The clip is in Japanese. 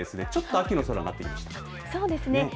ちょっと秋の空になってきました。